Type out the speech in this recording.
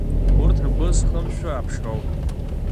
Урҭ ргәы зхымшәо аԥшроуп.